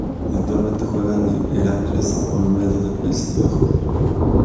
Actualmente juega en el Heracles Almelo de Paises Bajos.